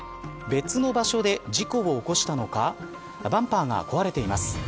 別の場所で事故を起こしたのかバンパーが壊れています。